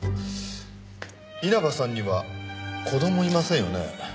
稲葉さんには子供いませんよね。